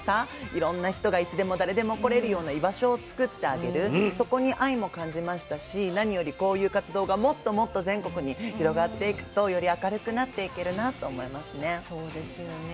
いろんな人がいつでも誰でも来れるような居場所を作ってあげるそこに愛も感じましたし何よりこういう活動がもっともっと全国に広がっていくとより明るくなっていけるなと思いますね。